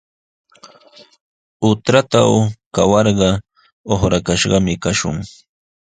Hutratraw kawarqa uqrakashqami kashun.